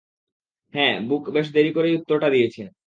হ্যাঁ, ব্যুক বেশ দেরি করেই উত্তরটা দিয়েছে।